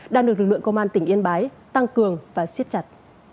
đang được lực lượng công an tỉnh yên bái tăng cường và siết chặt